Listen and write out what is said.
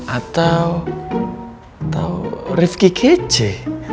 atau rifki kece